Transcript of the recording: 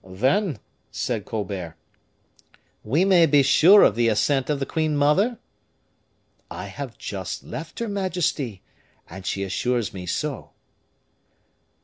"Then," said Colbert, "we may be sure of the assent of the queen mother?" "I have just left her majesty, and she assures me so."